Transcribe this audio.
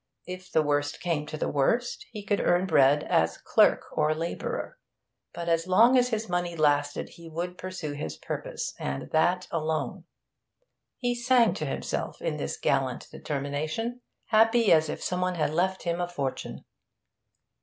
If the worst came to the worst, he could earn bread as clerk or labourer, but as long as his money lasted he would pursue his purpose, and that alone. He sang to himself in this gallant determination, happy as if some one had left him a fortune.